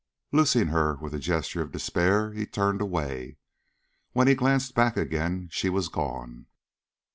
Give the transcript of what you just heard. Loosing her with a gesture of despair, he turned away. When he glanced back again she was gone.